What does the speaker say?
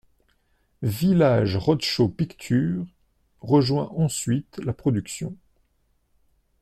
Village Roadshow Pictures rejoint ensuite la production.